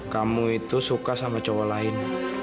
kamu itu suka sama cowok lain